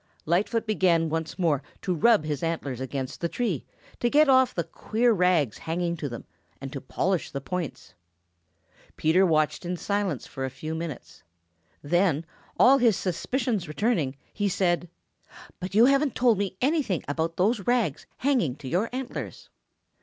Lightfoot began once more to rub his antlers against the tree to get off the queer rags hanging to them and to polish the points. Peter watched in silence for a few minutes. Then, all his suspicions returning, he said: "But you haven't told me anything about those rags hanging to your antlers."